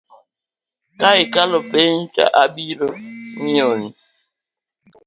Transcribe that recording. Ka ikalo penj abiro nyiewoni .